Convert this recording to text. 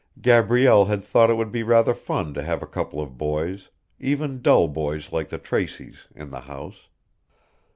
Gabrielle had thought it would be rather fun to have a couple of boys, even dull boys like the Traceys, in the house.